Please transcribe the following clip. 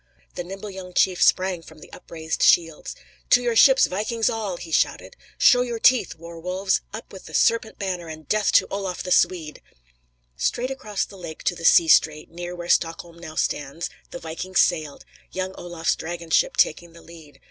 The nimble young chief sprang from the upraised shields. "To your ships, vikings, all!" he shouted. "Show your teeth, war wolves! Up with the serpent banner, and death to Olaf the Swede!" Straight across the lake to the sea strait, near where Stockholm now stands, the vikings sailed, young Olaf's dragon ship taking the lead.